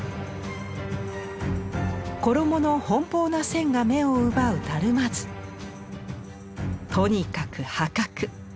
衣の奔放な線が目を奪うとにかく破格。